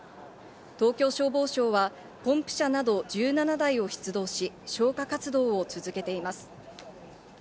東京消防庁はポンプ車など１７台を出動し、消火活動を続けています。